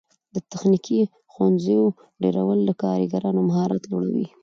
د تخنیکي ښوونځیو ډیرول د کارګرانو مهارت لوړوي.